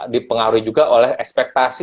dipengaruhi juga oleh ekspektasi